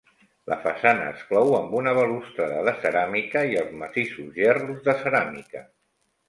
La façana es clou amb una balustrada de ceràmica i als massissos gerros de ceràmica.